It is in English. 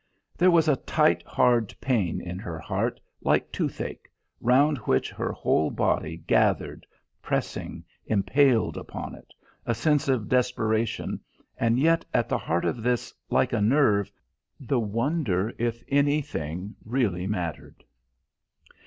There was a tight, hard pain in her heart, like toothache, round which her whole body gathered, pressing, impaled upon it; a sense of desperation, and yet at the heart of this, like a nerve, the wonder if anything really mattered.